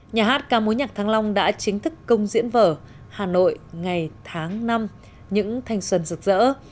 nhà hát ca mối nhạc tháng long đã chính thức công diễn vở hà nội ngày tháng năm những thanh xuân rực rỡ